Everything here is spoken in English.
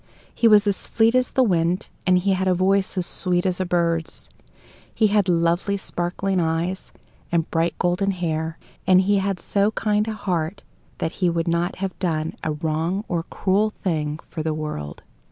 He was as fleet as the wind, and he had a voice as sweet as a bird's; he had lovely sparkling eyes, and bright golden hair; and he had so kind a heart that he would not have done a wrong or cruel thing for the world.